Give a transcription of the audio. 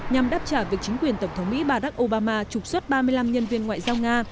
nhằm đáp trả việc chính quyền tổng thống mỹ badack obama trục xuất ba mươi năm nhân viên ngoại giao nga